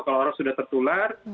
kalau orang sudah tertular